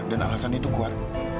dan alasannya itu kuat